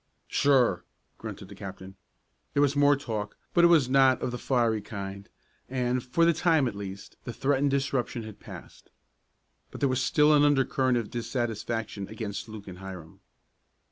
"Sure," grunted the captain. There was more talk, but it was not of the fiery kind and, for the time, at least, the threatened disruption had passed. But there was still an undercurrent of dissatisfaction against Luke and Hiram.